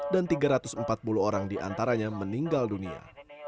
dan tiga ratus empat puluh orang di antaranya meninggal dunia